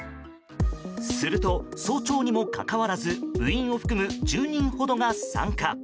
すると、早朝にもかかわらず部員を含む１０人ほどが参加。